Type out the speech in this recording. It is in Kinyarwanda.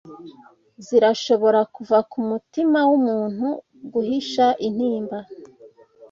zirashobora kuva kumutima wumuntu guhisha intimba